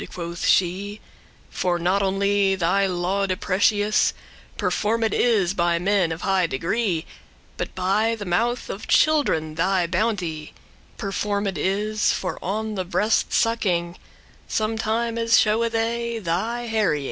<2> (quoth she) For not only thy laude* precious *praise Performed is by men of high degree, But by the mouth of children thy bounte* *goodness Performed is, for on the breast sucking Sometimes showe they thy herying.